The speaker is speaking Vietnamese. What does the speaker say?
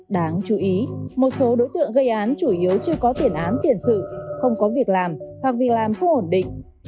đáng chú ý một số đối tượng gây án chủ yếu chưa có tiền án tiền sự không có việc làm hoặc vì làm không ổn định